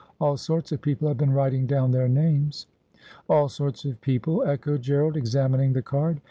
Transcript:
All sorts of people have been writing down their names.' ' All sorts of people,' echoed Gerald, examining the card.